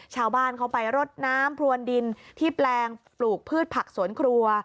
ชาวบ้านเขาไปรดน้ำพรวนดินที่แปลงปลูกพืชผักสวนครัว